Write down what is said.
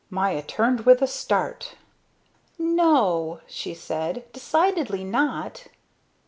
Maya turned with a start. "No," she said, "decidedly not."